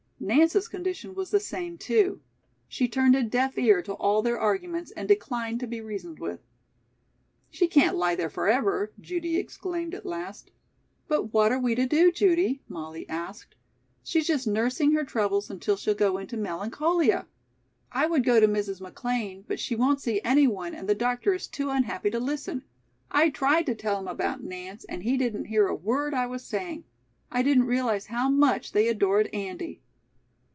Nance's condition was the same, too. She turned a deaf ear to all their arguments and declined to be reasoned with. "She can't lie there forever," Judy exclaimed at last. "But what are we to do, Judy?" Molly asked. "She's just nursing her troubles until she'll go into melancholia! I would go to Mrs. McLean, but she won't see anyone and the doctor is too unhappy to listen. I tried to tell him about Nance and he didn't hear a word I was saying. I didn't realize how much they adored Andy."